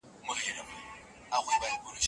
هغه داسې حکومت غوښت چي پر تقوی او انصاف ولاړ وي.